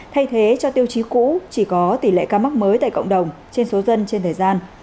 thay thế cho tiêu chí cũ chỉ có tỷ lệ ca mắc mới tại cộng đồng trên số dân trên thời gian